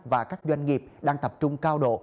và các doanh nghiệp đang tập trung cao độ